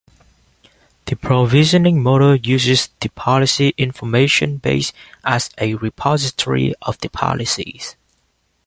The Provisioning Model uses the Policy Information Base as a repository of the policies.